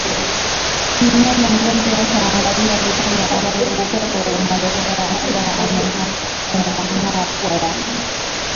Mnyama mgonjwa huangalia upande ambao upepo unatokea akiwa amepanua pua zake